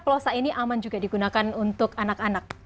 plosa ini aman juga digunakan untuk anak anak